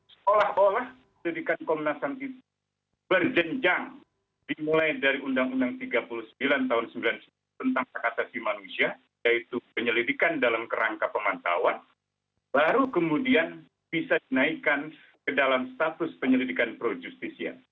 seolah olah penyelidikan komnas ham itu berjenjang dimulai dari undang undang tiga puluh sembilan tahun seribu sembilan ratus sembilan puluh sembilan tentang hak asasi manusia yaitu penyelidikan dalam kerangka pemantauan baru kemudian bisa dinaikkan ke dalam status penyelidikan pro justisia